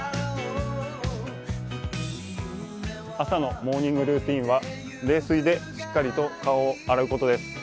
朝のモーニングルーチンは冷水でしっかりと顔を洗うことです。